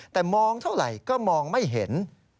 แต่มองเท่าไหร่ก็มองไม่เห็น